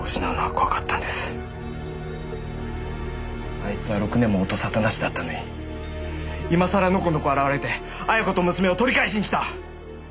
あいつは６年も音沙汰なしだったのに今さらのこのこ現れて彩子と娘を取り返しにきた。